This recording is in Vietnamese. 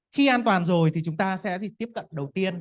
khi an toàn rồi thì chúng ta sẽ tiếp cận đầu tiên